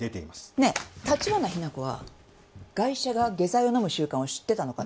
ねえ橘日名子はガイシャが下剤を飲む習慣を知ってたのかな？